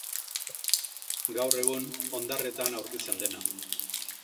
Gaur egun hondarretan aurkitzen dena.